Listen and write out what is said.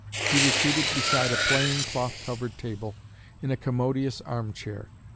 He was seated beside a plain cloth covered table, in a commodious arm chair."